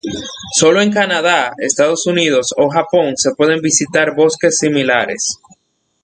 Solo en Canadá, Estados Unidos o Japón se pueden visitar bosques similares.